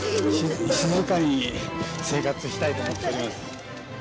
静かに生活したいと思っております